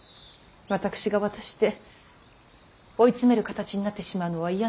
私が渡して追い詰める形になってしまうのは嫌なのです。